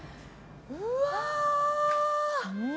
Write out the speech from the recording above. うわ！